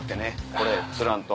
これ釣らんと。